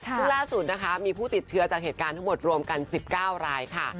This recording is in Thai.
ซึ่งล่าสุดนะคะมีผู้ติดเชื้อจากเหตุการณ์ทั้งหมดรวมกัน๑๙รายค่ะ